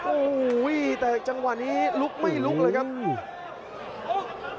โอ้โหแต่จังหวะนี้ลุกไม่ลุกเลยครับ